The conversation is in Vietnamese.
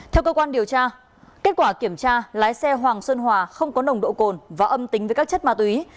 theo cơ quan điều tra kết quả kiểm tra lái xe hoàng xuân hòa không có nồng độ cồn và âm tính với các chất ma túy